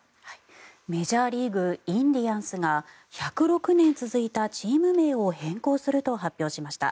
メジャーリーグインディアンスが１０６年続いたチーム名を変更すると発表しました。